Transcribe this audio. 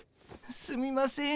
すみません。